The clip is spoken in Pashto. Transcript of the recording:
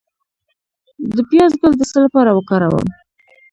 د پیاز ګل د څه لپاره وکاروم؟